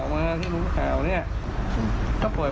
ก็ไม่ได้ถือไม่ได้ไม่ก็ไม่ทำอะไร